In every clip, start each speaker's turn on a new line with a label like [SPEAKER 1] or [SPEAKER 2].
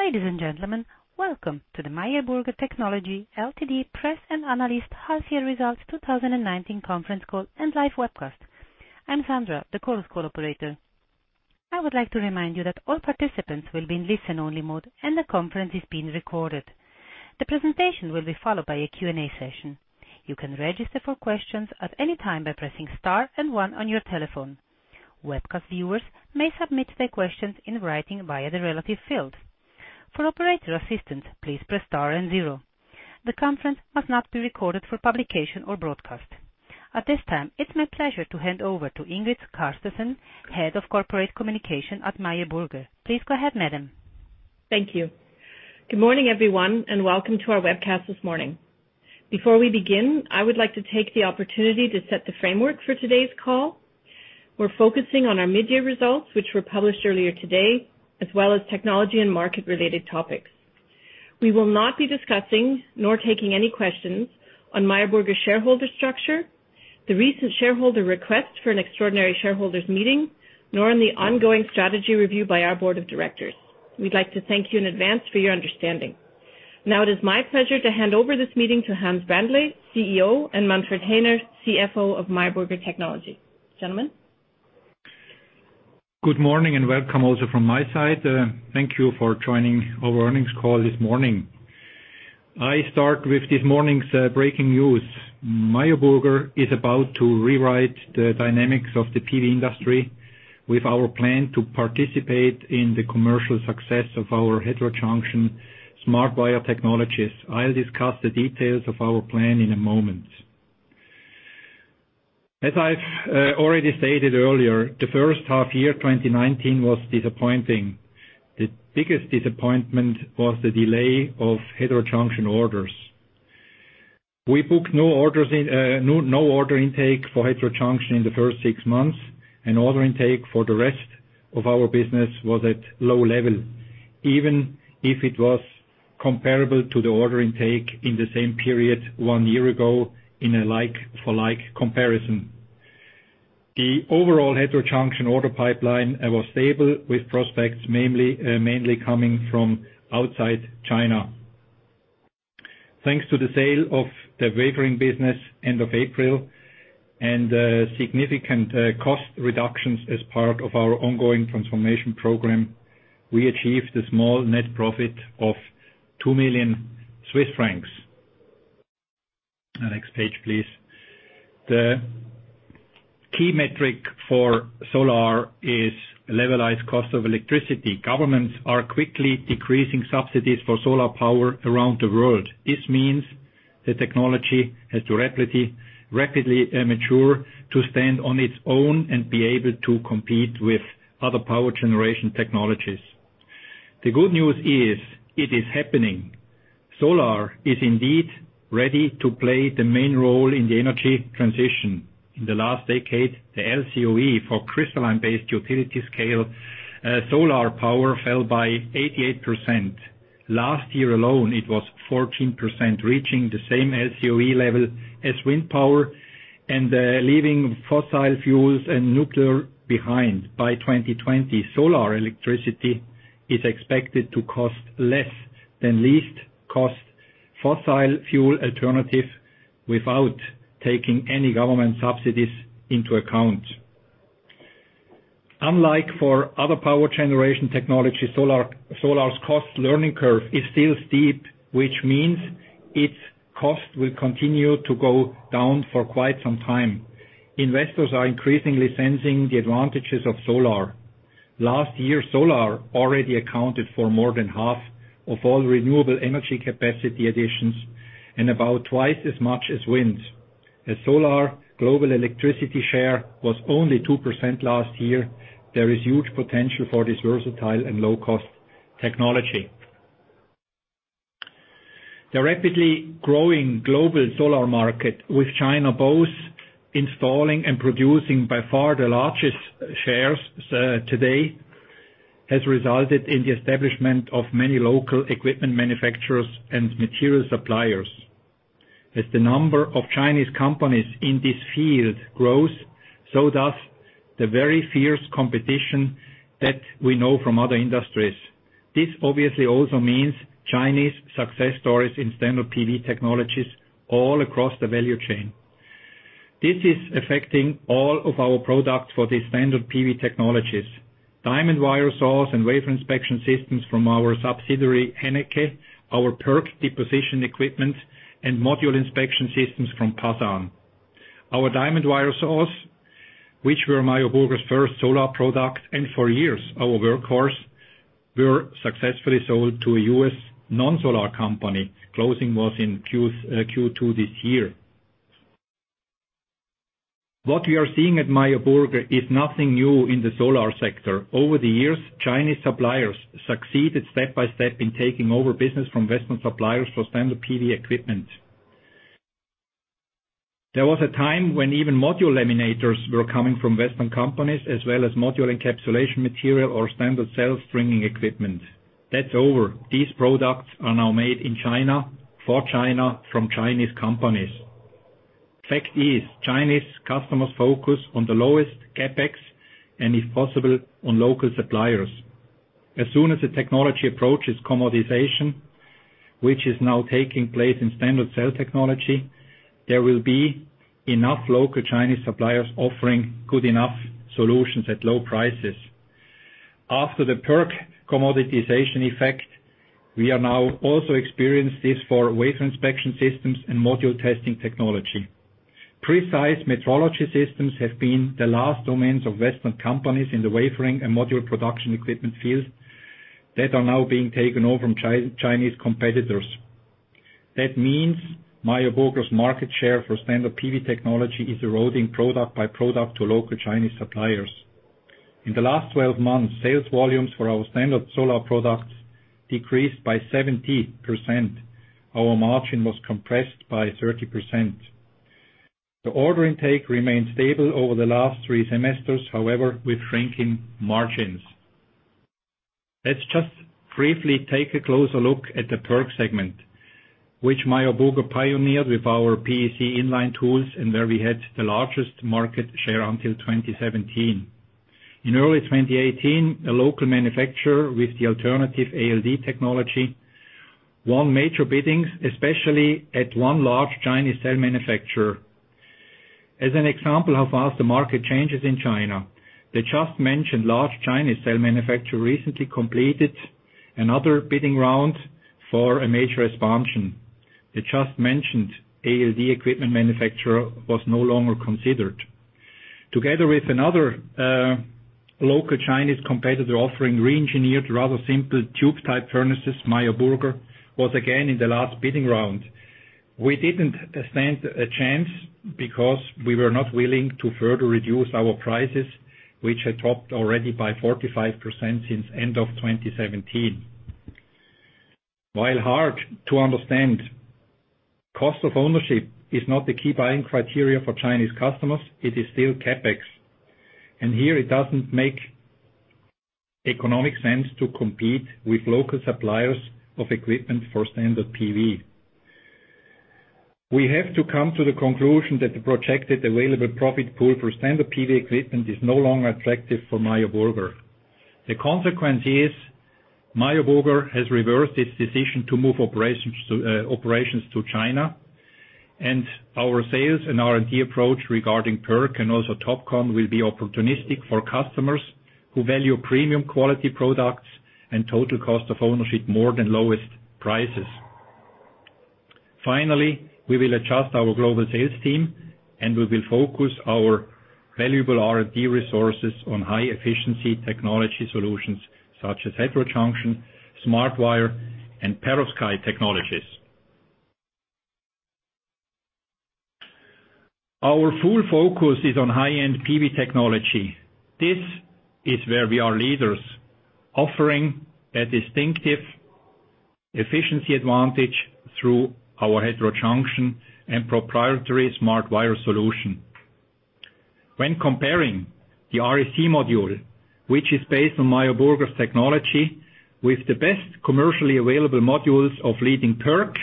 [SPEAKER 1] Ladies and gentlemen, welcome to the Meyer Burger Technology AG press and analyst half year results 2019 conference call and live webcast. I'm Sandra, the conference call operator. I would like to remind you that all participants will be in listen-only mode and the conference is being recorded. The presentation will be followed by a Q&A session. You can register for questions at any time by pressing star and one on your telephone. Webcast viewers may submit their questions in writing via the relative field. For operator assistance, please press star and zero. The conference must not be recorded for publication or broadcast. At this time, it's my pleasure to hand over to Ingrid Carstensen, Head of Corporate Communication at Meyer Burger. Please go ahead, madam.
[SPEAKER 2] Thank you. Good morning, everyone, welcome to our webcast this morning. Before we begin, I would like to take the opportunity to set the framework for today's call. We're focusing on our mid-year results, which were published earlier today, as well as technology and market-related topics. We will not be discussing nor taking any questions on Meyer Burger shareholder structure, the recent shareholder request for an extraordinary shareholders meeting, nor on the ongoing strategy review by our board of directors. We'd like to thank you in advance for your understanding. It is my pleasure to hand over this meeting to Hans Brändle, CEO, and Manfred Häner, CFO of Meyer Burger Technology. Gentlemen.
[SPEAKER 3] Good morning and welcome also from my side. Thank you for joining our earnings call this morning. I start with this morning's breaking news. Meyer Burger is about to rewrite the dynamics of the PV industry with our plan to participate in the commercial success of our heterojunction SmartWire technologies. I will discuss the details of our plan in a moment. As I have already stated earlier, the first half year 2019 was disappointing. The biggest disappointment was the delay of heterojunction orders. We booked no order intake for heterojunction in the first six months, and order intake for the rest of our business was at low level, even if it was comparable to the order intake in the same period one year ago in a like-for-like comparison. The overall heterojunction order pipeline was stable, with prospects mainly coming from outside China. Thanks to the sale of the wafering business end of April and significant cost reductions as part of our ongoing transformation program, we achieved a small net profit of 2 million Swiss francs. Next page, please. The key metric for solar is levelized cost of electricity. Governments are quickly decreasing subsidies for solar power around the world. This means the technology has to rapidly mature to stand on its own and be able to compete with other power generation technologies. The good news is it is happening. Solar is indeed ready to play the main role in the energy transition. In the last decade, the LCOE for crystalline-based utility scale solar power fell by 88%. Last year alone, it was 14%, reaching the same LCOE level as wind power and leaving fossil fuels and nuclear behind. By 2020, solar electricity is expected to cost less than least-cost fossil fuel alternative without taking any government subsidies into account. Unlike for other power generation technology, solar's cost learning curve is still steep, which means its cost will continue to go down for quite some time. Investors are increasingly sensing the advantages of solar. Last year, solar already accounted for more than half of all renewable energy capacity additions and about twice as much as wind. As solar global electricity share was only 2% last year, there is huge potential for this versatile and low-cost technology. The rapidly growing global solar market with China both installing and producing by far the largest shares today has resulted in the establishment of many local equipment manufacturers and material suppliers. As the number of Chinese companies in this field grows, so does the very fierce competition that we know from other industries. This obviously also means Chinese success stories in standard PV technologies all across the value chain. This is affecting all of our products for the standard PV technologies. Diamond wire saws and wafer inspection systems from our subsidiary, Hennecke, our PERC deposition equipment, and module inspection systems from PASAN. Our diamond wire saws, which were Meyer Burger's first solar product and for years our workhorse, were successfully sold to a U.S. non-solar company. Closing was in Q2 this year. What we are seeing at Meyer Burger is nothing new in the solar sector. Over the years, Chinese suppliers succeeded step by step in taking over business from Western suppliers for standard PV equipment. There was a time when even module laminators were coming from Western companies as well as module encapsulation material or standard cell stringing equipment. That's over. These products are now made in China for China from Chinese companies. Fact is, Chinese customers focus on the lowest CapEx and if possible, on local suppliers. As soon as the technology approaches commoditization, which is now taking place in standard cell technology, there will be enough local Chinese suppliers offering good enough solutions at low prices. After the PERC commoditization effect, we are now also experienced this for wafer inspection systems and module testing technology. Precise metrology systems have been the last domains of Western companies in the wafering and module production equipment fields that are now being taken over from Chinese competitors. That means Meyer Burger's market share for standard PV technology is eroding product by product to local Chinese suppliers. In the last 12 months, sales volumes for our standard solar products decreased by 70%. Our margin was compressed by 30%. The order intake remained stable over the last three semesters, however, with shrinking margins. Let's just briefly take a closer look at the PERC segment, which Meyer Burger pioneered with our PEC in-line tools, and where we had the largest market share until 2017. In early 2018, a local manufacturer with the alternative ALD technology won major biddings, especially at one large Chinese cell manufacturer. As an example of how fast the market changes in China, the just mentioned large Chinese cell manufacturer recently completed another bidding round for a major expansion. The just mentioned ALD equipment manufacturer was no longer considered. Together with another local Chinese competitor offering re-engineered rather simple tube-type furnaces, Meyer Burger was again in the last bidding round. We didn't stand a chance because we were not willing to further reduce our prices, which had dropped already by 45% since end of 2017. While hard to understand, cost of ownership is not the key buying criteria for Chinese customers, it is still CapEx. Here it doesn't make economic sense to compete with local suppliers of equipment for standard PV. We have to come to the conclusion that the projected available profit pool for standard PV equipment is no longer attractive for Meyer Burger. The consequence is Meyer Burger has reversed its decision to move operations to China, and our sales and R&D approach regarding PERC and also TOPCon will be opportunistic for customers who value premium quality products and total cost of ownership more than lowest prices. Finally, we will adjust our global sales team and we will focus our valuable R&D resources on high efficiency technology solutions such as heterojunction, SmartWire, and perovskite technologies. Our full focus is on high-end PV technology. This is where we are leaders, offering a distinctive efficiency advantage through our heterojunction and proprietary SmartWire solution. When comparing the REC module, which is based on Meyer Burger's technology, with the best commercially available modules of leading PERC,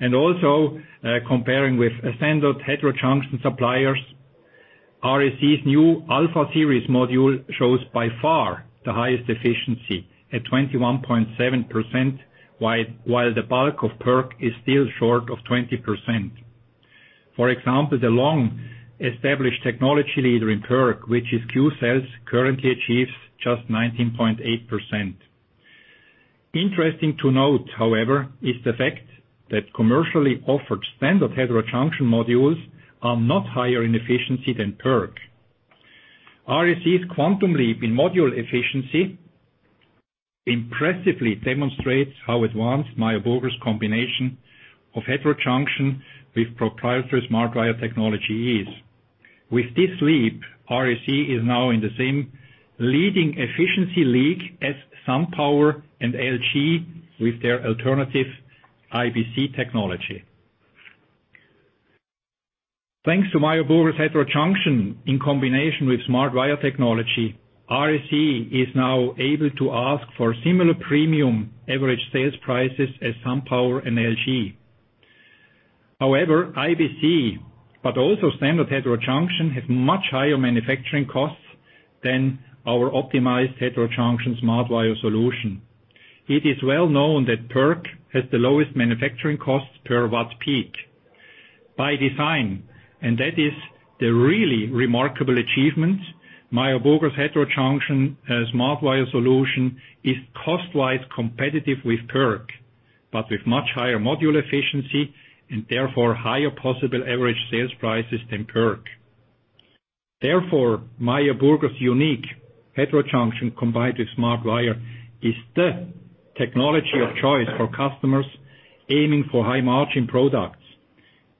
[SPEAKER 3] and also comparing with standard heterojunction suppliers, REC's new Alpha Series module shows by far the highest efficiency at 21.7%, while the bulk of PERC is still short of 20%. For example, the long-established technology leader in PERC, which is Qcells, currently achieves just 19.8%. Interesting to note, however, is the fact that commercially offered standard heterojunction modules are not higher in efficiency than PERC. REC's quantum leap in module efficiency impressively demonstrates how advanced Meyer Burger's combination of heterojunction with proprietary SmartWire technology is. With this leap, REC is now in the same leading efficiency league as SunPower and LG with their alternative IBC technology. Thanks to Meyer Burger's heterojunction in combination with SmartWire technology, REC is now able to ask for similar premium average sales prices as SunPower and LG. However, IBC, but also standard heterojunction, have much higher manufacturing costs than our optimized heterojunction SmartWire solution. It is well known that PERC has the lowest manufacturing cost per watt-peak. By design, and that is the really remarkable achievement, Meyer Burger's heterojunction SmartWire solution is cost-wise competitive with PERC, but with much higher module efficiency and therefore higher possible average sales prices than PERC. Therefore, Meyer Burger's unique heterojunction combined with SmartWire is the technology of choice for customers aiming for high margin products.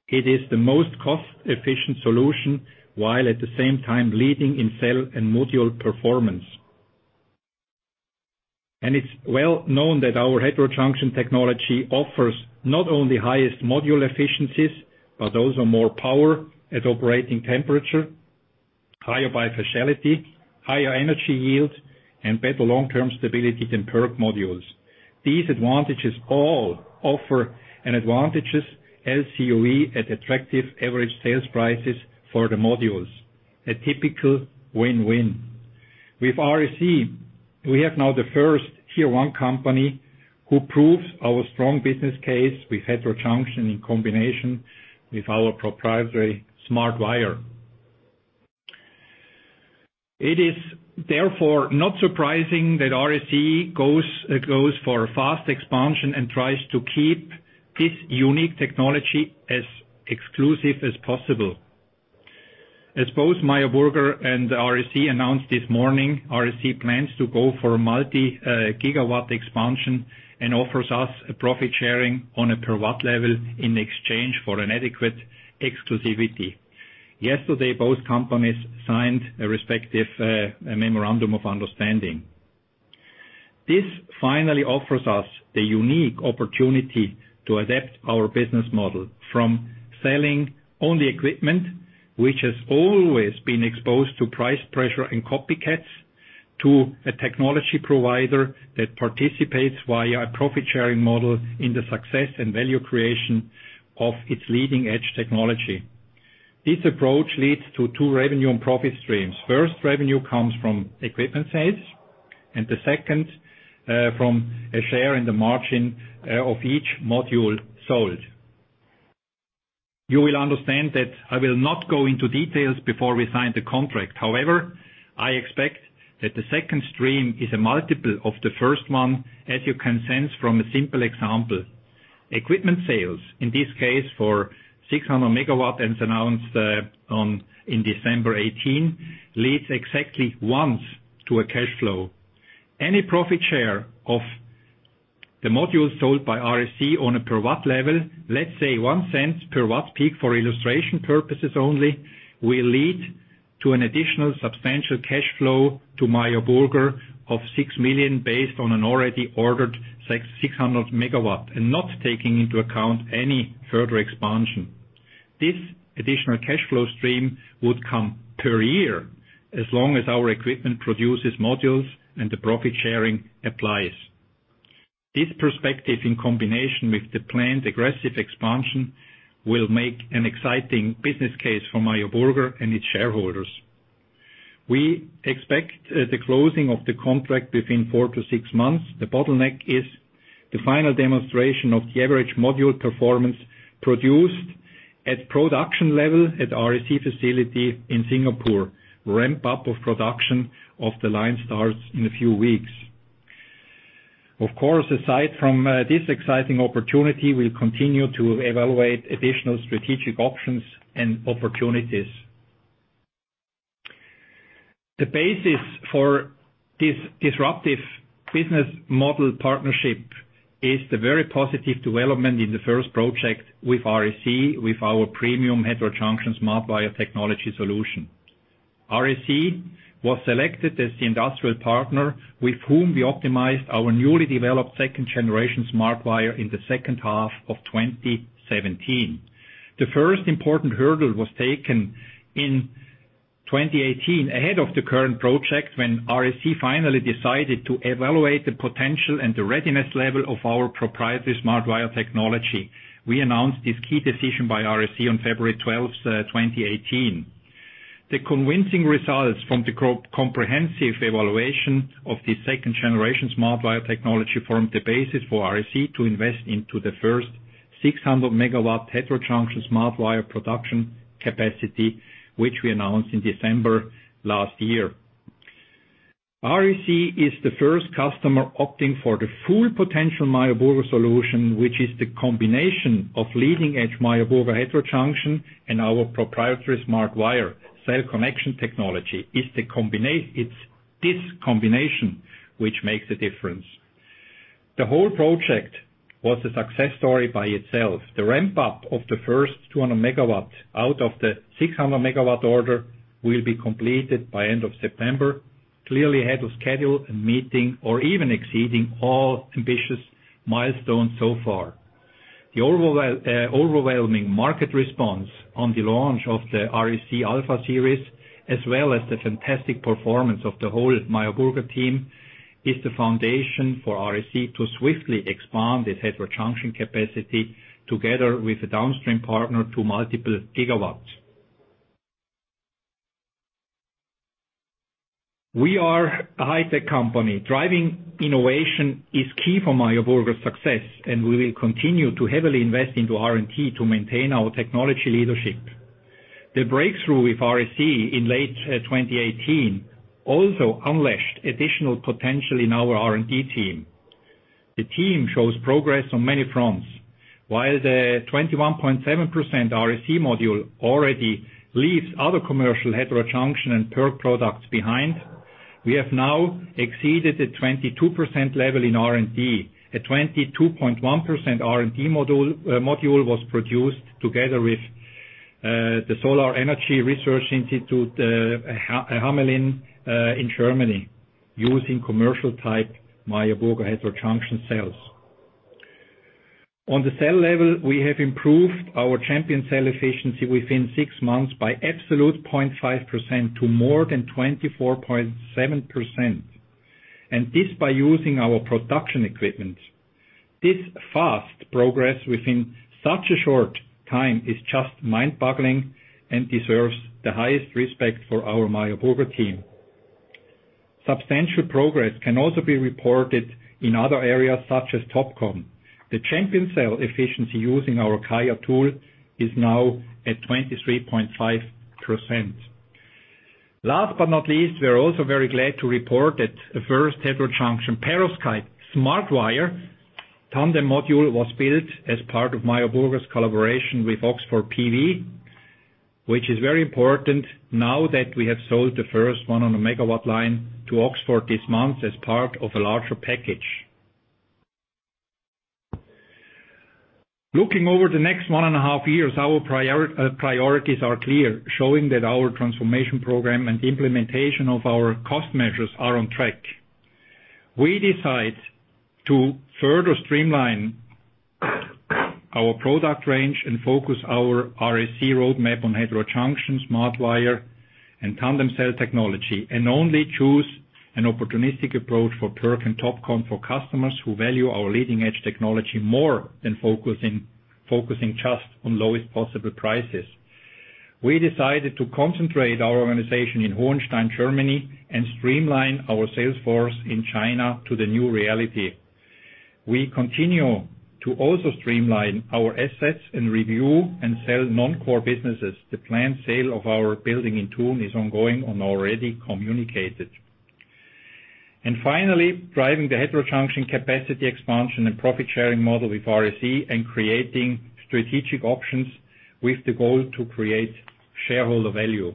[SPEAKER 3] It is the most cost-efficient solution, while at the same time leading in cell and module performance. It's well known that our heterojunction technology offers not only highest module efficiencies, but also more power at operating temperature, higher bifaciality, higher energy yield, and better long-term stability than PERC modules. These advantages all offer an advantageous LCOE at attractive average sales prices for the modules. A typical win-win. With REC, we have now the first tier-one company who proves our strong business case with heterojunction in combination with our proprietary SmartWire. It is therefore not surprising that REC goes for fast expansion and tries to keep this unique technology as exclusive as possible. As both Meyer Burger and REC announced this morning, REC plans to go for multi-gigawatt expansion and offers us a profit sharing on a per watt level in exchange for an adequate exclusivity. Yesterday, both companies signed a respective memorandum of understanding. This finally offers us the unique opportunity to adapt our business model from selling only equipment, which has always been exposed to price pressure and copycats, to a technology provider that participates via a profit-sharing model in the success and value creation of its leading-edge technology. This approach leads to two revenue and profit streams. First revenue comes from equipment sales, and the second from a share in the margin of each module sold. You will understand that I will not go into details before we sign the contract. However, I expect that the second stream is a multiple of the first one, as you can sense from a simple example. Equipment sales, in this case for 600 megawatts as announced in December 2018, leads exactly once to a cash flow. Any profit share of the modules sold by REC on a per watt level, let's say 0.01 per watt-peak for illustration purposes only, will lead to an additional substantial cash flow to Meyer Burger of 6 million based on an already ordered 600 megawatts and not taking into account any further expansion. This additional cash flow stream would come per year as long as our equipment produces modules and the profit sharing applies. This perspective, in combination with the planned aggressive expansion, will make an exciting business case for Meyer Burger and its shareholders. We expect the closing of the contract between four to six months. The bottleneck is the final demonstration of the average module performance produced at production level at REC facility in Singapore. Ramp-up of production of the line starts in a few weeks. Aside from this exciting opportunity, we'll continue to evaluate additional strategic options and opportunities. The basis for this disruptive business model partnership is the very positive development in the first project with REC, with our premium heterojunction SmartWire technology solution. REC was selected as the industrial partner with whom we optimized our newly developed second-generation SmartWire in the second half of 2017. The first important hurdle was taken in 2018 ahead of the current project when REC finally decided to evaluate the potential and the readiness level of our proprietary SmartWire technology. We announced this key decision by REC on February 12th, 2018. The convincing results from the comprehensive evaluation of the second-generation SmartWire technology formed the basis for REC to invest into the first 600-megawatt heterojunction SmartWire production capacity, which we announced in December last year. REC is the first customer opting for the full potential Meyer Burger solution, which is the combination of leading-edge Meyer Burger heterojunction and our proprietary SmartWire cell connection technology. It's this combination which makes a difference. The whole project was a success story by itself. The ramp-up of the first 200 megawatts out of the 600-megawatt order will be completed by end of September, clearly ahead of schedule and meeting or even exceeding all ambitious milestones so far. The overwhelming market response on the launch of the REC Alpha Series, as well as the fantastic performance of the whole Meyer Burger team, is the foundation for REC to swiftly expand its heterojunction capacity together with a downstream partner to multiple gigawatts. We are a high-tech company. Driving innovation is key for Meyer Burger's success, and we will continue to heavily invest into R&D to maintain our technology leadership. The breakthrough with REC in late 2018 also unleashed additional potential in our R&D team. The team shows progress on many fronts. While the 21.7% REC module already leaves other commercial heterojunction and PERC products behind, we have now exceeded the 22% level in R&D. A 22.1% R&D module was produced together with the Institute for Solar Energy Research Hamelin in Germany using commercial-type Meyer Burger heterojunction cells. On the cell level, we have improved our champion cell efficiency within six months by absolute 0.5% to more than 24.7%. This by using our production equipment. This fast progress within such a short time is just mind-boggling and deserves the highest respect for our Meyer Burger team. Substantial progress can also be reported in other areas such as TOPCon. The champion cell efficiency using our CAiA tool is now at 23.5%. Last but not least, we are also very glad to report that the first heterojunction perovskite SmartWire tandem module was built as part of Meyer Burger's collaboration with Oxford PV, which is very important now that we have sold the first one on the megawatt line to Oxford this month as part of a larger package. Looking over the next one and a half years, our priorities are clear, showing that our transformation program and implementation of our cost measures are on track. We decide to further streamline our product range and focus our R&D roadmap on heterojunction SmartWire and tandem cell technology, only choose an opportunistic approach for PERC and TOPCon for customers who value our leading-edge technology more than focusing just on lowest possible prices. We decided to concentrate our organization in Hohenstein, Germany, and streamline our sales force in China to the new reality. We continue to also streamline our assets and review and sell non-core businesses. The planned sale of our building in Thun is ongoing and already communicated. Finally, driving the heterojunction capacity expansion and profit-sharing model with REC and creating strategic options with the goal to create shareholder value.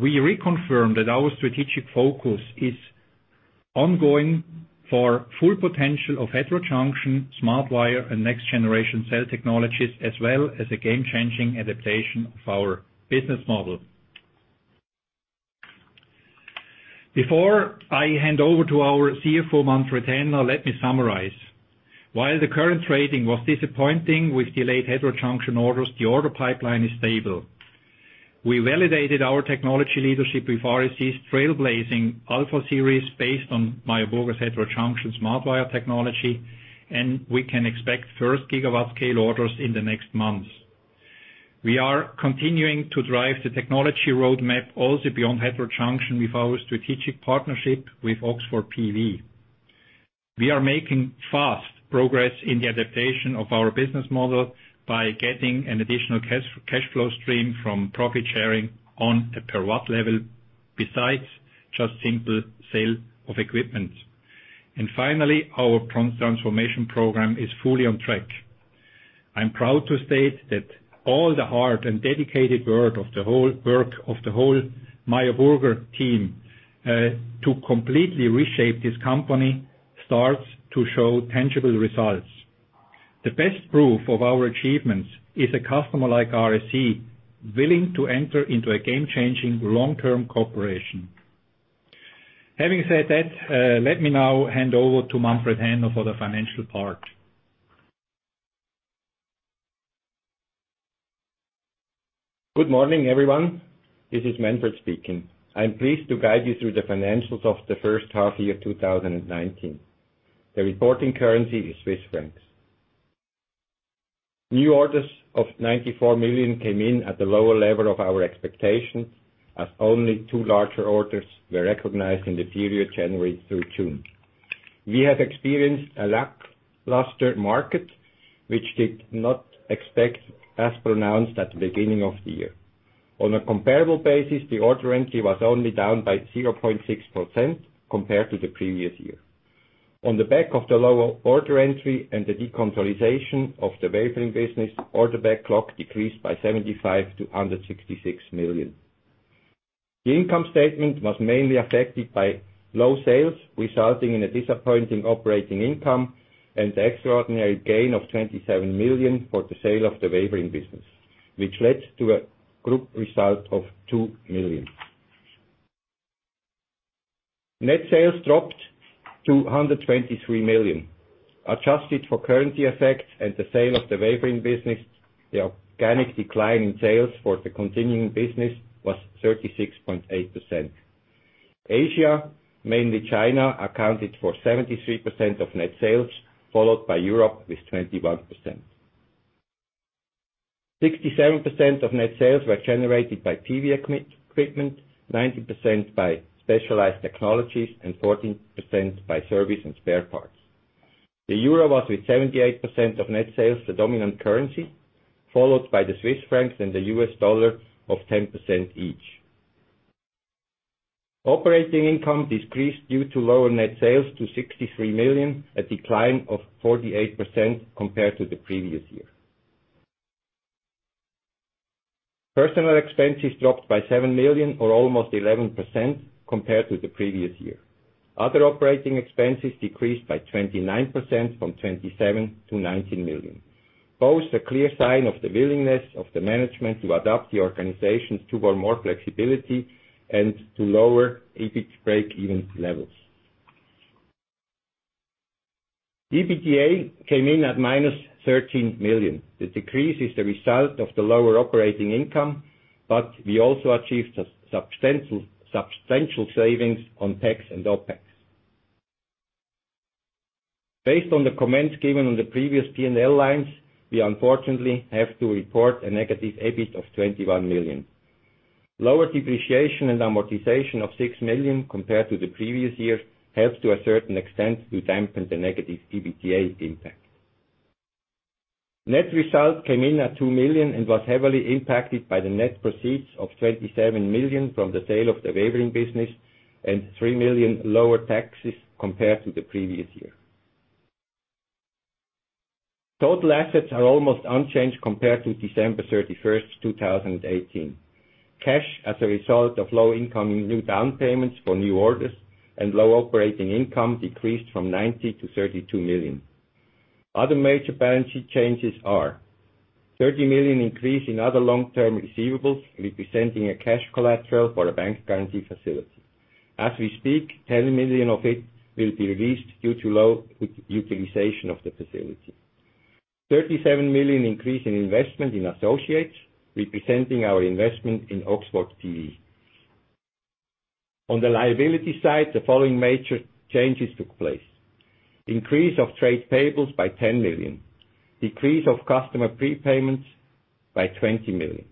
[SPEAKER 3] We reconfirm that our strategic focus is ongoing for full potential of heterojunction SmartWire and next-generation cell technologies, as well as a game-changing adaptation of our business model. Before I hand over to our CFO, Manfred Häner, let me summarize. While the current trading was disappointing with delayed heterojunction orders, the order pipeline is stable. We validated our technology leadership with REC's trailblazing Alpha Series based on Meyer Burger's heterojunction SmartWire technology, and we can expect first gigawatt-scale orders in the next months. We are continuing to drive the technology roadmap also beyond heterojunction with our strategic partnership with Oxford PV. We are making fast progress in the adaptation of our business model by getting an additional cash flow stream from profit-sharing on a per watt level, besides just simple sale of equipment. Finally, our transformation program is fully on track. I'm proud to state that all the hard and dedicated work of the whole Meyer Burger team to completely reshape this company starts to show tangible results. The best proof of our achievements is a customer like REC, willing to enter into a game-changing long-term cooperation. Having said that, let me now hand over to Manfred Häner for the financial part.
[SPEAKER 4] Good morning, everyone. This is Manfred speaking. I'm pleased to guide you through the financials of the first half year 2019. The reporting currency is Swiss francs. New orders of 94 million came in at the lower level of our expectation, as only two larger orders were recognized in the period January through June. We have experienced a lackluster market, which did not expect as pronounced at the beginning of the year. On a comparable basis, the order entry was only down by 0.6% compared to the previous year. On the back of the lower order entry and the deconsolidation of the wafering business, order backlog decreased by 75 to 166 million. The income statement was mainly affected by low sales, resulting in a disappointing operating income and extraordinary gain of 27 million for the sale of the wafering business, which led to a group result of 2 million. Net sales dropped to 123 million. Adjusted for currency effects and the sale of the wafering business, the organic decline in sales for the continuing business was 36.8%. Asia, mainly China, accounted for 73% of net sales, followed by Europe with 21%. 67% of net sales were generated by PV equipment, 19% by specialized technologies, and 14% by service and spare parts. The euro was, with 78% of net sales, the dominant currency, followed by the Swiss francs and the US dollar of 10% each. Operating income decreased due to lower net sales to 63 million, a decline of 48% compared to the previous year. Personnel expenses dropped by 7 million or almost 11% compared to the previous year. Other operating expenses decreased by 29% from 27 million-19 million. Pose a clear sign of the willingness of the management to adapt the organization toward more flexibility and to lower EBIT break-even levels. EBITDA came in at minus 13 million. The decrease is the result of the lower operating income, but we also achieved substantial savings on CapEx and OpEx. Based on the comments given on the previous P&L lines, we unfortunately have to report a negative EBIT of 21 million. Lower depreciation and amortization of 6 million compared to the previous year helps to a certain extent to dampen the negative EBITDA impact. Net results came in at 2 million and was heavily impacted by the net proceeds of 27 million from the sale of the wafering business and 3 million lower taxes compared to the previous year. Total assets are almost unchanged compared to December 31st, 2018. Cash as a result of low incoming new down payments for new orders and low operating income decreased from 90 million to 32 million. Other major balance sheet changes are 30 million increase in other long-term receivables, representing a cash collateral for a bank guarantee facility. As we speak, 10 million of it will be released due to low utilization of the facility. 37 million increase in investment in associates, representing our investment in Oxford PV. On the liability side, the following major changes took place. Increase of trade payables by 10 million. Decrease of customer prepayments by 20 million.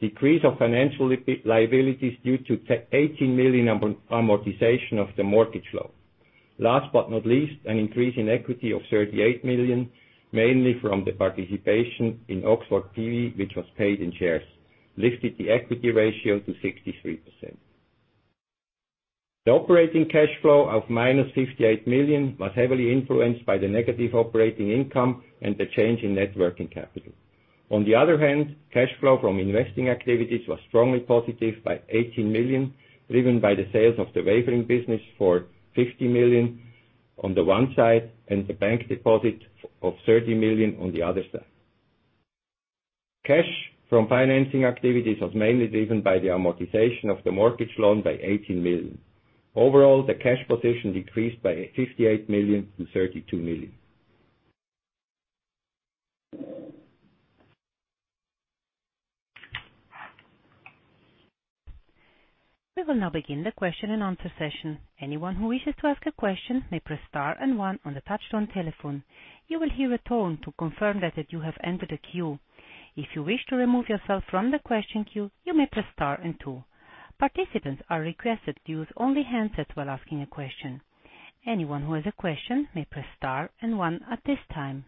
[SPEAKER 4] Decrease of financial liabilities due to 18 million amortization of the mortgage loan. Last but not least, an increase in equity of 38 million, mainly from the participation in Oxford PV, which was paid in shares, lifted the equity ratio to 63%. The operating cash flow of minus 58 million was heavily influenced by the negative operating income and the change in net working capital. On the other hand, cash flow from investing activities was strongly positive by 18 million, driven by the sales of the wafering business for 50 million on the one side and the bank deposit of 30 million on the other side. Cash from financing activities was mainly driven by the amortization of the mortgage loan by 18 million. Overall, the cash position decreased by 58 million to 32 million.
[SPEAKER 1] We will now begin the question and answer session. Anyone who wishes to ask a question may press star and one on the touchtone telephone. You will hear a tone to confirm that you have entered a queue. If you wish to remove yourself from the question queue, you may press star and two. Participants are requested to use only handsets while asking a question. Anyone who has a question may press star and one at this time.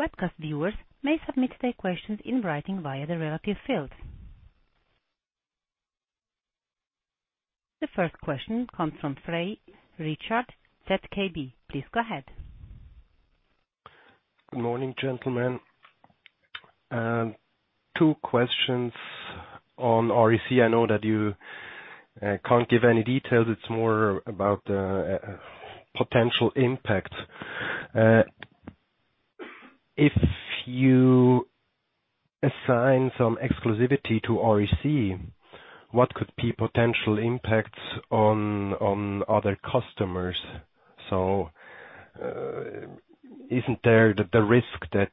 [SPEAKER 1] Webcast viewers may submit their questions in writing via the relative field. The first question comes from Richard Frey, ZKB. Please go ahead.
[SPEAKER 5] Good morning, gentlemen. Two questions on REC. I know that you can't give any details. It's more about the potential impact. If you assign some exclusivity to REC, what could be potential impacts on other customers? Isn't there the risk that,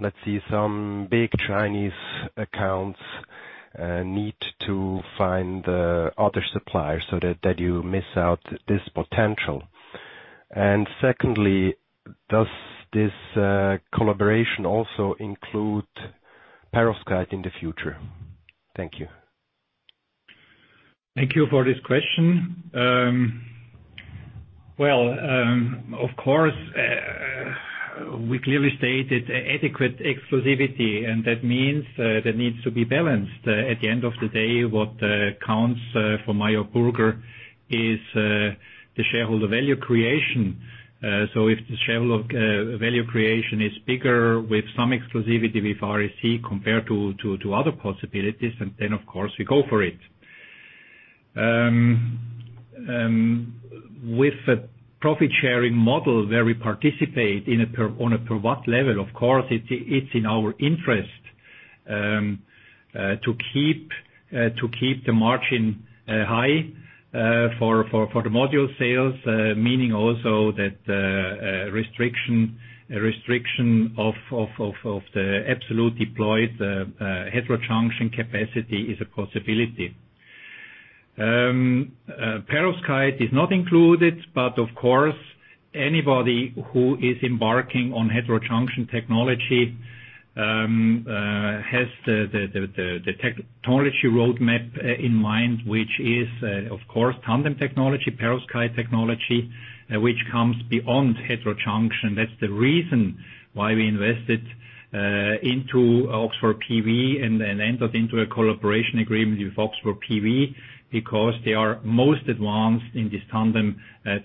[SPEAKER 5] let's say some big Chinese accounts need to find other suppliers so that you miss out this potential? Secondly, does this collaboration also include perovskite in the future? Thank you.
[SPEAKER 4] Thank you for this question. Well, of course, we clearly stated adequate exclusivity, that means that needs to be balanced. At the end of the day, what counts for Meyer Burger is the shareholder value creation. If the shareholder value creation is bigger with some exclusivity with REC compared to other possibilities, of course we go for it. With a profit-sharing model where we participate on a per watt level, of course, it's in our interest to keep the margin high for the module sales, meaning also that restriction of the absolute deployed heterojunction capacity is a possibility. Perovskite is not included, of course, anybody who is embarking on heterojunction technology has the technology roadmap in mind, which is, of course, tandem technology, perovskite technology, which comes beyond heterojunction.
[SPEAKER 3] That's the reason why we invested into Oxford PV and entered into a collaboration agreement with Oxford PV because they are most advanced in this tandem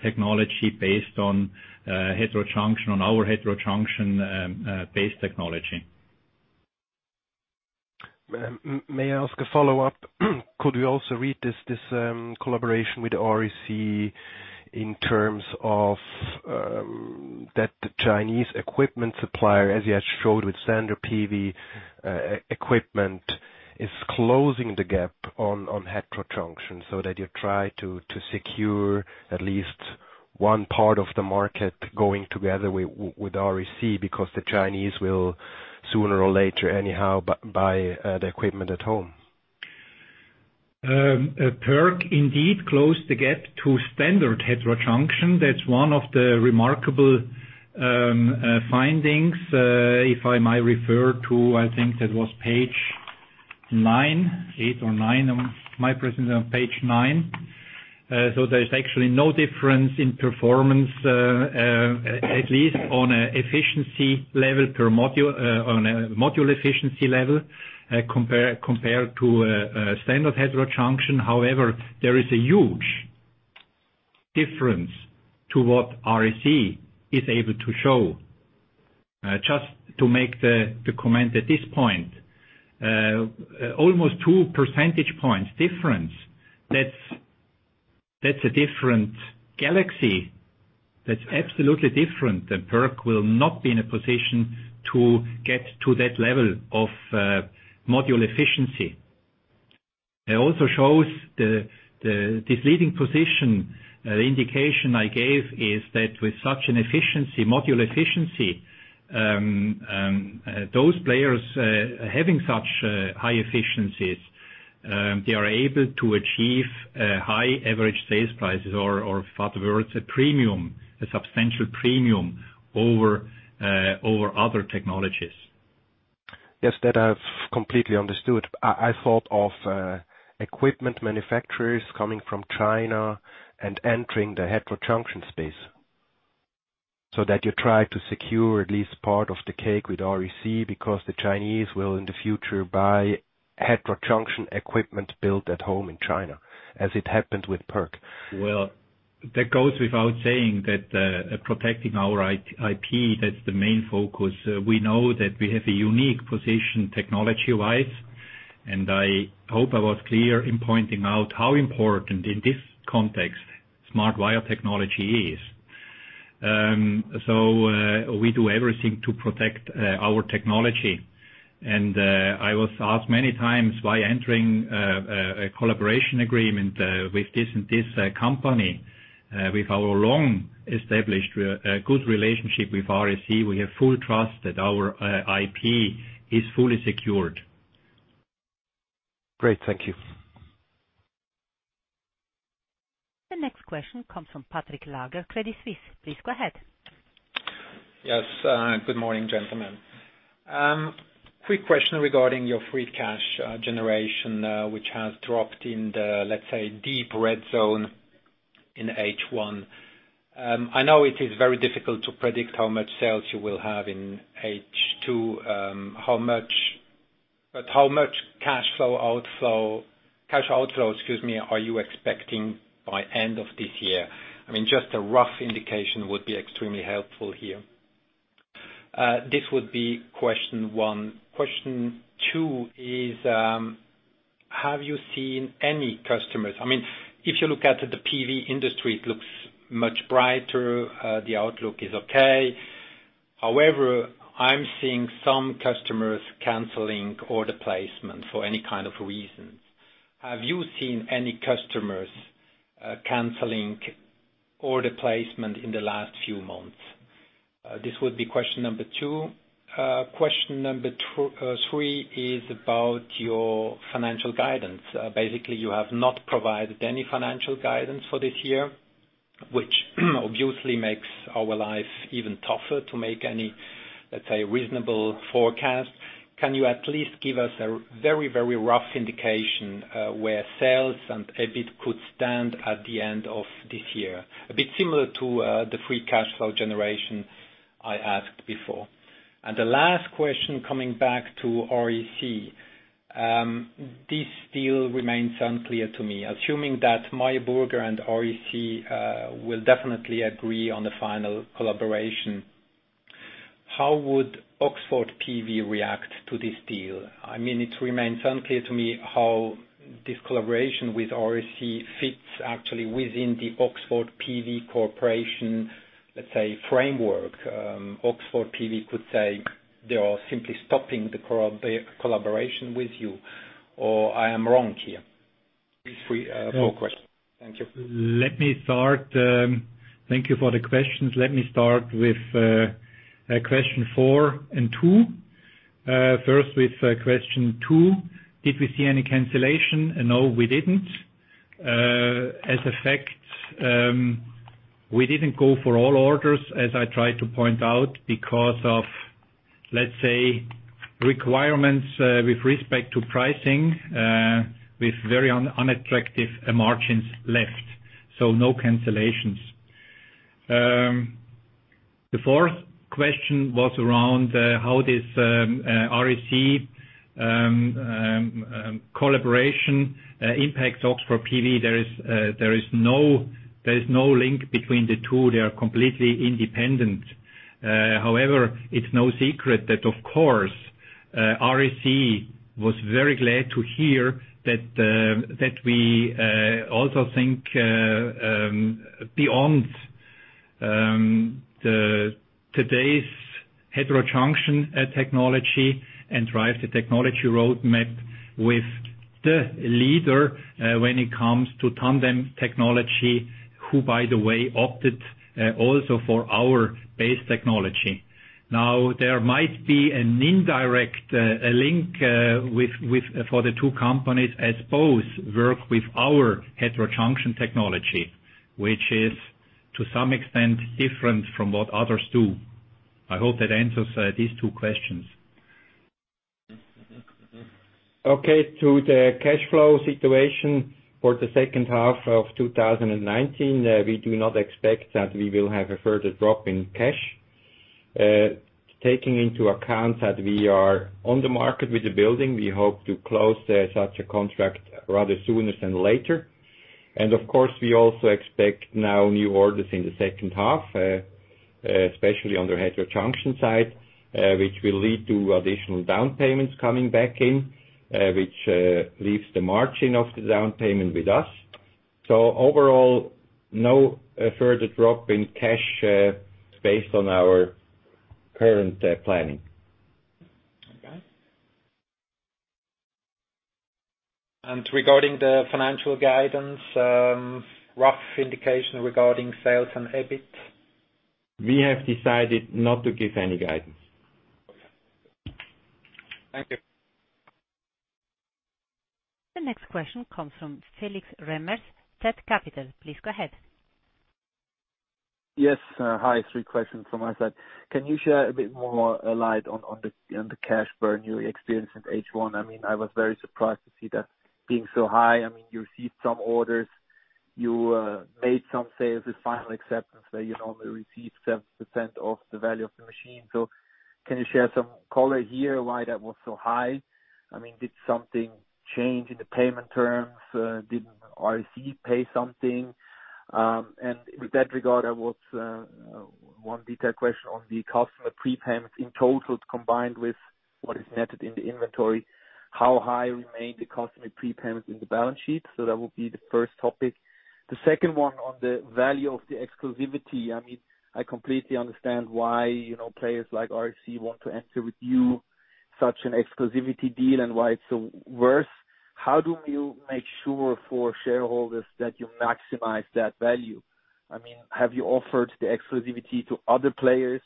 [SPEAKER 3] technology based on heterojunction, on our heterojunction-based technology.
[SPEAKER 5] May I ask a follow-up? Could we also read this collaboration with REC in terms of that Chinese equipment supplier, as you showed with standard PV equipment, is closing the gap on heterojunction, so that you try to secure at least one part of the market going together with REC because the Chinese will sooner or later anyhow buy the equipment at home?
[SPEAKER 3] PERC indeed closed the gap to standard heterojunction. That's one of the remarkable findings. If I might refer to, I think that was page nine. Eight or nine. My presentation on page nine. There's actually no difference in performance, at least on a module efficiency level compared to a standard heterojunction. However, there is a huge difference to what REC is able to show. Just to make the comment at this point, almost two percentage points difference. That's a different galaxy. That's absolutely different, PERC will not be in a position to get to that level of module efficiency. It also shows this leading position. The indication I gave is that with such an module efficiency, those players having such high efficiencies, they are able to achieve high average sales prices or farther, a substantial premium over other technologies.
[SPEAKER 5] Yes, that I've completely understood. I thought of equipment manufacturers coming from China and entering the heterojunction space. You try to secure at least part of the cake with REC because the Chinese will, in the future, buy heterojunction equipment built at home in China, as it happened with PERC.
[SPEAKER 3] Well, that goes without saying that protecting our IP, that's the main focus. We know that we have a unique position technology-wise, and I hope I was clear in pointing out how important, in this context, SmartWire technology is. We do everything to protect our technology. I was asked many times why entering a collaboration agreement with this and this company. With our long-established good relationship with REC, we have full trust that our IP is fully secured.
[SPEAKER 5] Great. Thank you.
[SPEAKER 1] The next question comes from Patrick Laager, Credit Suisse. Please go ahead.
[SPEAKER 6] Yes. Good morning, gentlemen. Quick question regarding your free cash generation, which has dropped in the, let's say, deep red zone in H1. How much cash outflow are you expecting by end of this year? Just a rough indication would be extremely helpful here. This would be question one. Question two is, have you seen any customers? If you look at the PV industry, it looks much brighter. The outlook is okay. However, I'm seeing some customers canceling order placement for any kind of reasons. Have you seen any customers canceling order placement in the last few months? This would be question number two. Question number three is about your financial guidance. Basically, you have not provided any financial guidance for this year, which obviously makes our life even tougher to make any, let's say, reasonable forecast. Can you at least give us a very rough indication where sales and EBIT could stand at the end of this year? A bit similar to the free cash flow generation I asked before. The last question coming back to REC. This still remains unclear to me. Assuming that Meyer Burger and REC will definitely agree on the final collaboration, how would Oxford PV react to this deal? It remains unclear to me how this collaboration with REC fits actually within the Oxford PV Corporation, let's say, framework. Oxford PV could say they are simply stopping the collaboration with you, or I am wrong here? These four questions. Thank you.
[SPEAKER 3] Thank you for the questions. Let me start with question four and two. First with question two. Did we see any cancellation? No, we didn't. As a fact, we didn't go for all orders, as I tried to point out, because of, let's say, requirements with respect to pricing, with very unattractive margins left. No cancellations. The fourth question was around how this REC collaboration impacts Oxford PV. There is no link between the two. They are completely independent. However, it's no secret that of course REC was very glad to hear that we also think beyond today's heterojunction technology and drive the technology roadmap with the leader when it comes to tandem technology, who, by the way, opted also for our base technology. There might be an indirect link for the two companies, as both work with our heterojunction technology, which is to some extent different from what others do. I hope that answers these two questions.
[SPEAKER 4] Okay. To the cash flow situation for the second half of 2019, we do not expect that we will have a further drop in cash. Taking into account that we are on the market with the building, we hope to close such a contract rather sooner than later. Of course, we also expect now new orders in the second half, especially on the heterojunction side, which will lead to additional down payments coming back in, which leaves the margin of the down payment with us. Overall, no further drop in cash based on our current planning.
[SPEAKER 3] Okay.
[SPEAKER 4] Regarding the financial guidance, rough indication regarding sales and EBIT?
[SPEAKER 3] We have decided not to give any guidance.
[SPEAKER 6] Okay. Thank you.
[SPEAKER 1] The next question comes from Felix Remmers, zCapital AG. Please go ahead.
[SPEAKER 7] Yes. Hi. Three questions from my side. Can you share a bit more light on the cash burn you experienced in H1? I was very surprised to see that being so high. You received some orders. You made some sales with final acceptance, where you normally receive 7% of the value of the machine. Can you share some color here why that was so high? Did something change in the payment terms? Didn't REC pay something? With that regard, one detailed question on the customer prepayments in total, combined with what is netted in the inventory, how high remain the customer prepayments in the balance sheet? That will be the first topic. The second one on the value of the exclusivity. I completely understand why players like REC want to enter with you such an exclusivity deal and why it's so worth. How do you make sure for shareholders that you maximize that value? Have you offered the exclusivity to other players?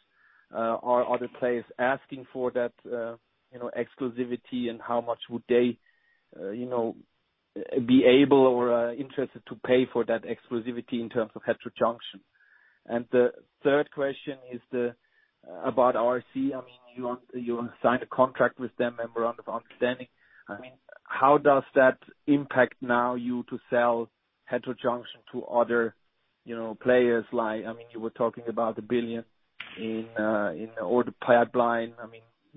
[SPEAKER 7] Are other players asking for that exclusivity, and how much would they be able or interested to pay for that exclusivity in terms of heterojunction? The third question is about REC. You signed a contract with them and were on the understanding. How does that impact now you to sell heterojunction to other players? You were talking about a 1 billion in order pipeline.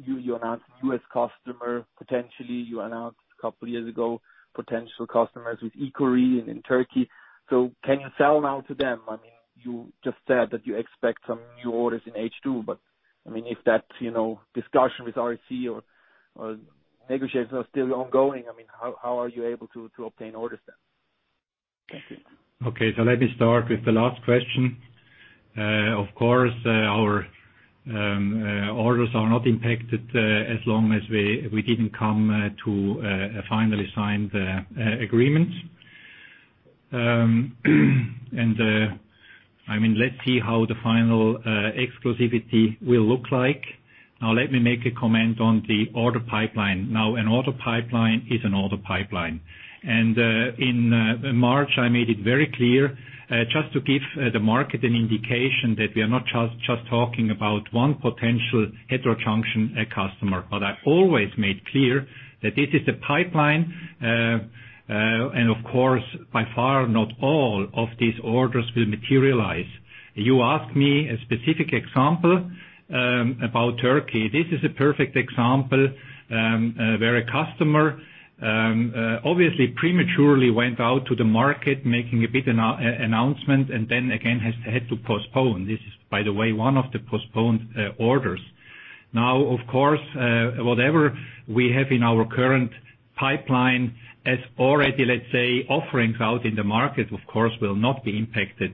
[SPEAKER 7] You announced U.S. customer potentially. You announced a couple of years ago potential customers with Ecorina and in Turkey. Can you sell now to them? You just said that you expect some new orders in H2, if that discussion with REC or negotiations are still ongoing, how are you able to obtain orders then? Thank you.
[SPEAKER 3] Let me start with the last question. Of course, our orders are not impacted as long as we didn't come to a finally signed agreement. Let's see how the final exclusivity will look like. Let me make a comment on the order pipeline. An order pipeline is an order pipeline. In March, I made it very clear, just to give the market an indication that we are not just talking about one potential heterojunction customer. I always made clear that this is a pipeline, and of course, by far not all of these orders will materialize. You asked me a specific example about Turkey. This is a perfect example where a customer obviously prematurely went out to the market making a big announcement, and then again had to postpone. This is, by the way, one of the postponed orders. Of course, whatever we have in our current pipeline as already, let's say, offerings out in the market, of course, will not be impacted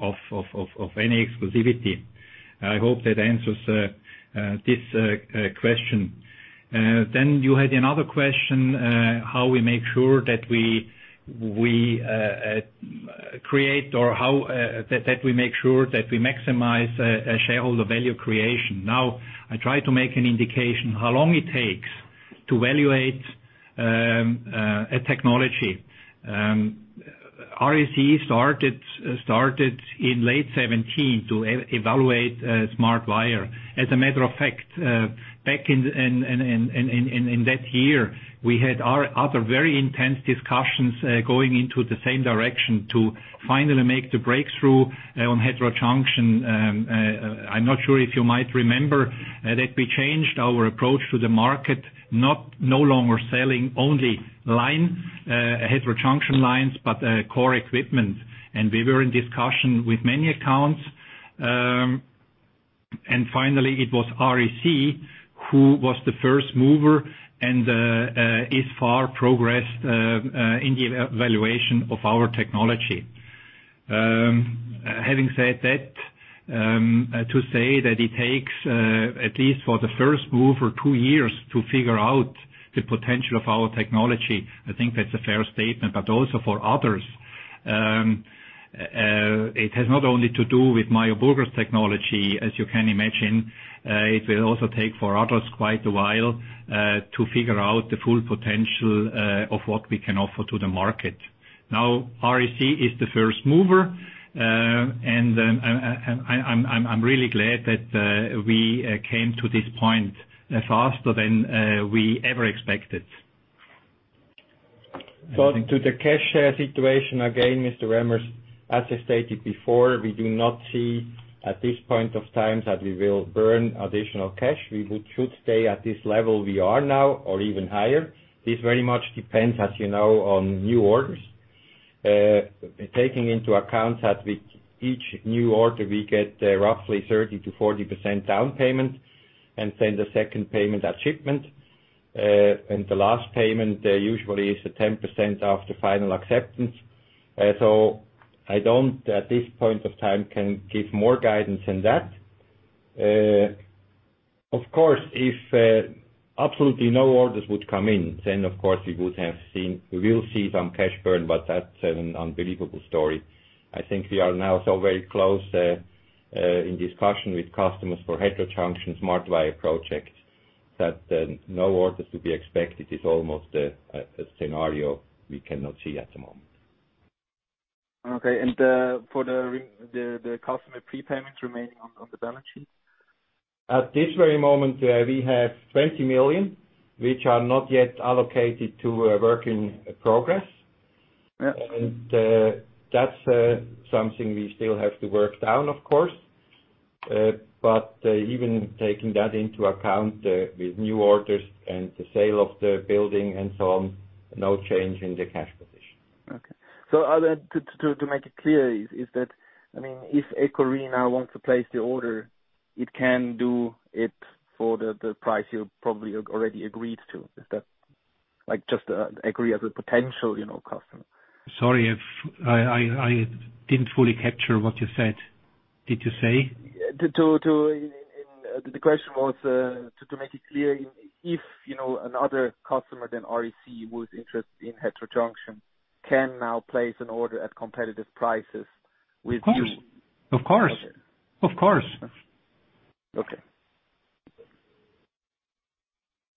[SPEAKER 3] of any exclusivity. I hope that answers this question. You had another question, how we make sure that we maximize shareholder value creation. I try to make an indication how long it takes to evaluate a technology. REC started in late 2017 to evaluate SmartWire. As a matter of fact, back in that year, we had our other very intense discussions going into the same direction to finally make the breakthrough on heterojunction. I'm not sure if you might remember that we changed our approach to the market, no longer selling only heterojunction lines, but core equipment. We were in discussion with many accounts. Finally, it was REC who was the first mover and is far progressed in the evaluation of our technology. Having said that, to say that it takes at least for the first mover two years to figure out the potential of our technology, I think that's a fair statement. Also for others, it has not only to do with Meyer Burger's technology, as you can imagine. It will also take for others quite a while to figure out the full potential of what we can offer to the market. REC is the first mover, and I'm really glad that we came to this point faster than we ever expected.
[SPEAKER 4] To the cash situation again, Mr. Remmers, as I stated before, we do not see at this point of time that we will burn additional cash. We should stay at this level we are now or even higher. This very much depends, as you know, on new orders. Taking into account that with each new order, we get roughly 30%-40% down payment, and then the second payment at shipment, and the last payment usually is 10% after final acceptance. I don't, at this point of time, can give more guidance than that. Of course, if absolutely no orders would come in, then of course we will see some cash burn, but that's an unbelievable story. I think we are now so very close in discussion with customers for heterojunction SmartWire project, that no orders to be expected is almost a scenario we cannot see at the moment.
[SPEAKER 7] Okay. For the customer prepayment remaining on the balance sheet?
[SPEAKER 4] At this very moment, we have 20 million, which are not yet allocated to a work in progress.
[SPEAKER 7] Yeah.
[SPEAKER 4] That's something we still have to work down, of course. Even taking that into account with new orders and the sale of the building and so on, no change in the cash position.
[SPEAKER 7] Okay. To make it clear is that, if Ecorina wants to place the order, it can do it for the price you probably already agreed to. Is that just agree as a potential customer?
[SPEAKER 3] Sorry if I didn't fully capture what you said. Did you say?
[SPEAKER 7] The question was to make it clear, if another customer than REC was interested in heterojunction can now place an order at competitive prices with you.
[SPEAKER 3] Of course.
[SPEAKER 7] Okay.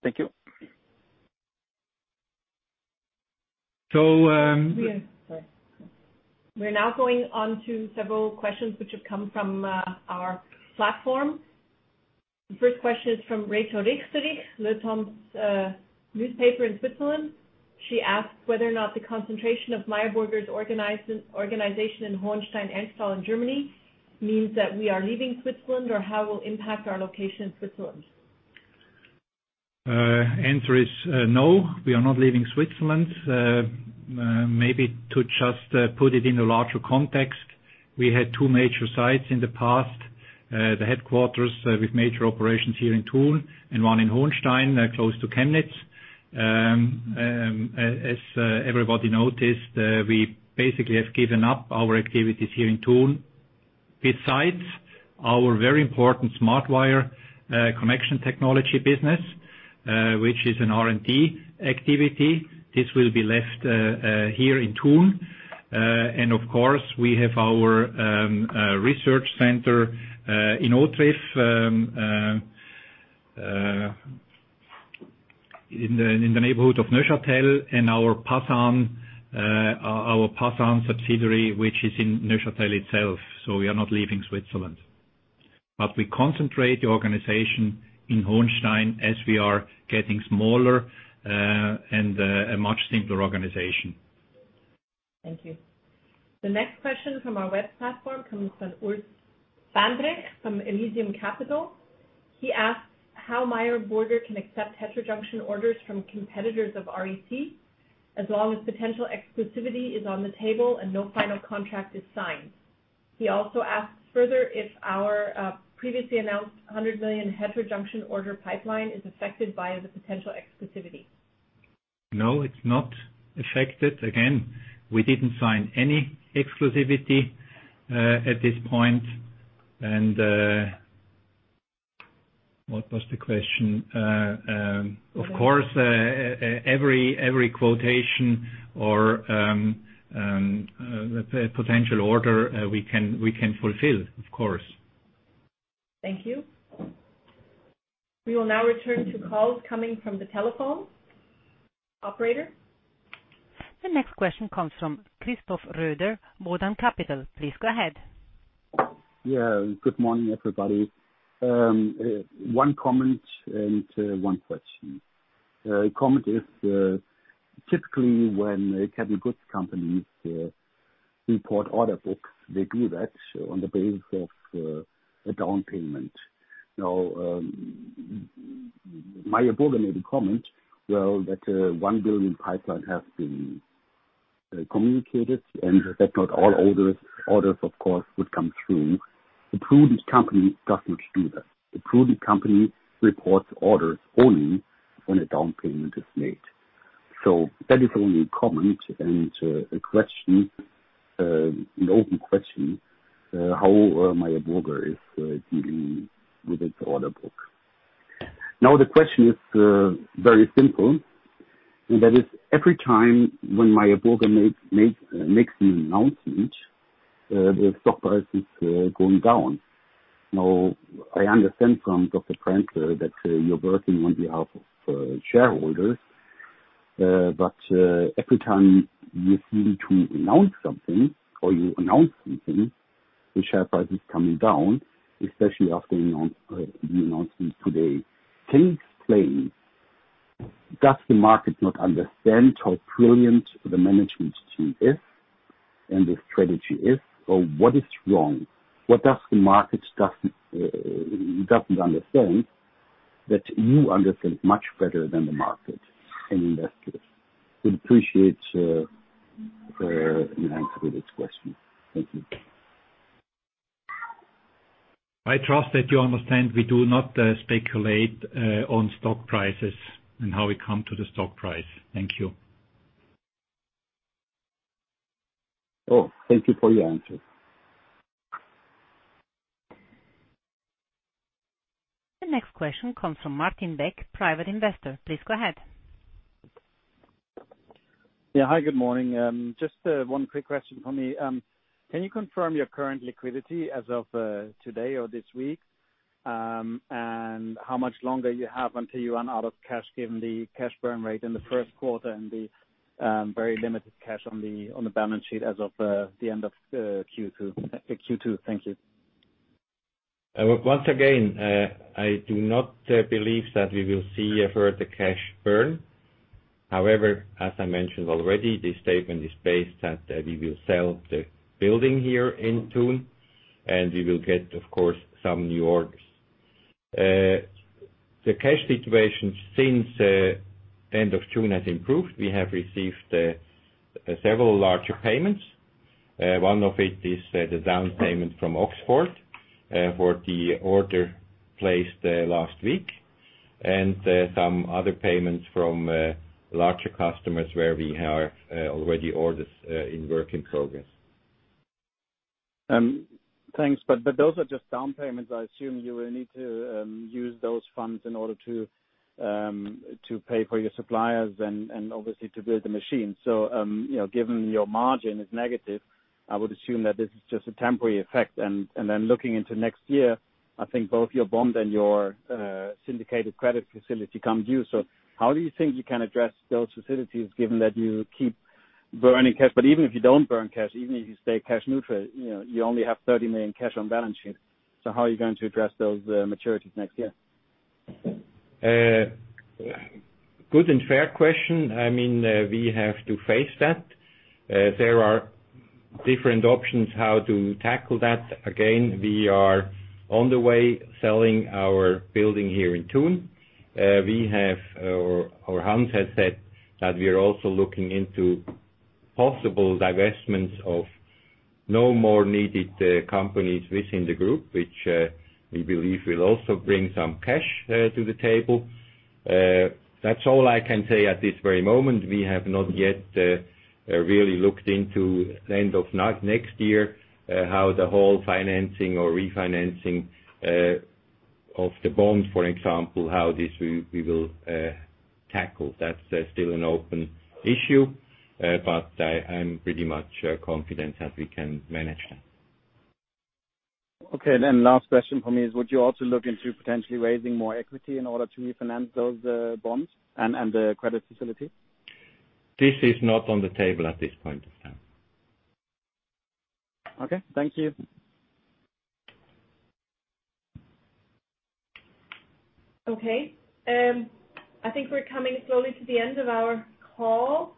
[SPEAKER 7] Thank you.
[SPEAKER 3] So-
[SPEAKER 2] We are now going on to several questions which have come from our platform. The first question is from Rachel Richterich, Le Temps newspaper in Switzerland. She asks whether or not the concentration of Meyer Burger's organization in Hohenstein-Ernstthal in Germany means that we are leaving Switzerland, or how it will impact our location in Switzerland.
[SPEAKER 3] Answer is no, we are not leaving Switzerland. Maybe to just put it in a larger context, we had two major sites in the past. The headquarters with major operations here in Thun and one in Hohenstein-Ernstthal, close to Chemnitz. As everybody noticed, we basically have given up our activities here in Thun. Besides our very important SmartWire connection technology business, which is an R&D activity. This will be left here in Thun. Of course, we have our research center in Hauterive, in the neighborhood of Neuchâtel, and our PASAN subsidiary, which is in Neuchâtel itself. We are not leaving Switzerland. We concentrate the organization in Hohenstein-Ernstthal as we are getting smaller and a much simpler organization.
[SPEAKER 2] Thank you. The next question from our web platform comes from Urs Andrik from Elysium Capital. He asks how Meyer Burger can accept heterojunction orders from competitors of REC, as long as potential exclusivity is on the table and no final contract is signed. He also asks further if our previously announced 100 million heterojunction order pipeline is affected by the potential exclusivity.
[SPEAKER 3] No, it's not affected. Again, we didn't sign any exclusivity at this point. What was the question? Of course, every quotation or potential order we can fulfill, of course.
[SPEAKER 2] Thank you. We will now return to calls coming from the telephone. Operator?
[SPEAKER 1] The next question comes from Christoph R. Röder, Modum Capital. Please go ahead.
[SPEAKER 8] Yeah. Good morning, everybody. One comment and one question. Comment is, typically when a capital goods company report order books, they do that on the basis of a down payment. Meyer Burger made a comment, well, that 1 billion pipeline has been communicated and that not all orders, of course, would come through. A prudent company doesn't do that. A prudent company reports orders only when a down payment is made. That is only a comment and an open question, how Meyer Burger is dealing with its order book. The question is very simple, and that is every time when Meyer Burger makes an announcement, the stock price is going down. I understand from Hans Brändle that you're working on behalf of shareholders. Every time you seem to announce something or you announce something, the share price is coming down, especially after the announcement today. Can you explain, does the market not understand how brilliant the management team is and the strategy is? What is wrong? What does the market not understand that you understand much better than the market and investors? We'd appreciate an answer to this question. Thank you.
[SPEAKER 3] I trust that you understand we do not speculate on stock prices and how we come to the stock price. Thank you.
[SPEAKER 8] Oh, thank you for your answer.
[SPEAKER 1] The next question comes from Martin Beck, private investor. Please go ahead. Yeah. Hi, good morning. Just one quick question for me. Can you confirm your current liquidity as of today or this week? How much longer you have until you run out of cash, given the cash burn rate in the first quarter and the very limited cash on the balance sheet as of the end of Q2? Thank you.
[SPEAKER 4] I do not believe that we will see a further cash burn. As I mentioned already, this statement is based that we will sell the building here in Thun, and we will get, of course, some new orders. The cash situation since end of June has improved. We have received several larger payments. One of it is the down payment from Oxford for the order placed last week, and some other payments from larger customers where we have already orders in work in progress. Thanks. Those are just down payments. I assume you will need to use those funds in order to pay for your suppliers and obviously to build the machine. Given your margin is negative, I would assume that this is just a temporary effect. Looking into next year, I think both your bond and your syndicated credit facility comes due. How do you think you can address those facilities given that you keep burning cash? Even if you don't burn cash, even if you stay cash neutral, you only have 30 million cash on the balance sheet. How are you going to address those maturities next year? Good and fair question. We have to face that. There are different options how to tackle that. We are on the way selling our building here in Thun. Hans has said that we are also looking into possible divestments of no more needed companies within the group, which we believe will also bring some cash to the table. That's all I can say at this very moment. We have not yet really looked into the end of next year, how the whole financing or refinancing of the bonds, for example, how this we will tackle. That's still an open issue, but I'm pretty much confident that we can manage that. Okay, last question for me is, would you also look into potentially raising more equity in order to refinance those bonds and the credit facility? This is not on the table at this point in time. Okay. Thank you.
[SPEAKER 2] Okay. I think we're coming slowly to the end of our call.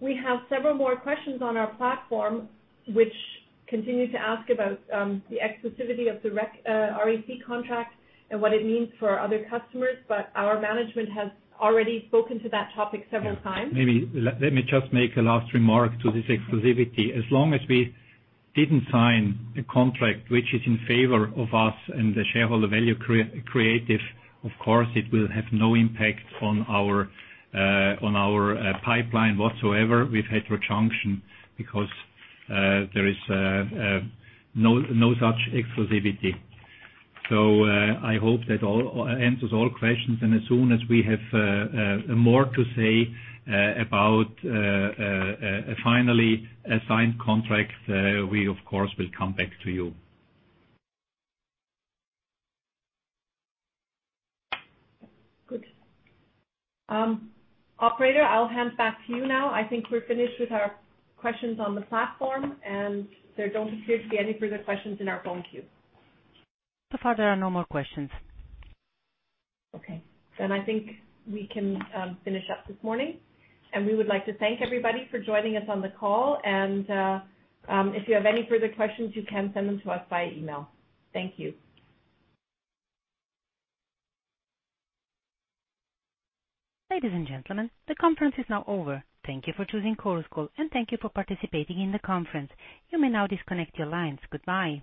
[SPEAKER 2] We have several more questions on our platform, which continue to ask about the exclusivity of the REC contract and what it means for other customers, but our management has already spoken to that topic several times.
[SPEAKER 3] Maybe let me just make a last remark to this exclusivity. As long as we didn't sign a contract which is in favor of us and the shareholder value creative, of course, it will have no impact on our pipeline whatsoever with Heterojunction because there is no such exclusivity. I hope that answers all questions, and as soon as we have more to say about a finally signed contract, we of course will come back to you.
[SPEAKER 2] Good. Operator, I'll hand back to you now. I think we're finished with our questions on the platform, and there don't appear to be any further questions in our phone queue.
[SPEAKER 1] So far, there are no more questions.
[SPEAKER 2] Okay. I think we can finish up this morning. We would like to thank everybody for joining us on the call, and if you have any further questions, you can send them to us by email. Thank you.
[SPEAKER 1] Ladies and gentlemen, the conference is now over. Thank you for choosing Chorus Call, and thank you for participating in the conference. You may now disconnect your lines. Goodbye.